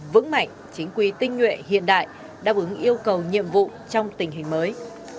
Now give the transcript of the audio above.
vững mạnh chính quy tinh nhuệ hiện đại đáp ứng yêu cầu nhiệm vụ trong tình hình mới